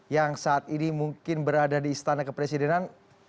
yang saat ini mungkin berada di istana kepresidenan